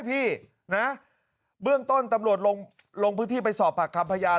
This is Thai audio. พี่นะเบื้องต้นตำรวจลงพื้นที่ไปสอบผักคำพยาน